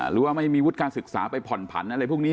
หรือไม่มีการศึกษาไปผ่อนผัน